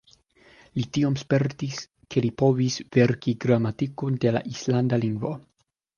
Li tiom spertis ke li povis verki gramatikon de la islanda lingvo.